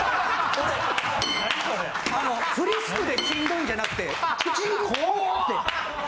あのフリスクでしんどいんじゃなくて口こうやって。